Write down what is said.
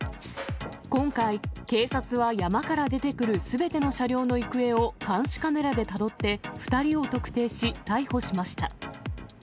今回、警察は山から出てくるすべての車両の行方を監視カメラでたどって、２人を特定し、逮捕しました。